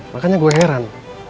makanya gue heran